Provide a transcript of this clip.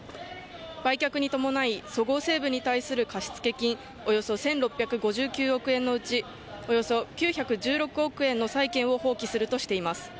売却に伴いそごう・西武に対する貸付金およそ１６５９億円のうちおよそ９１６億円の債権を放棄するとしています。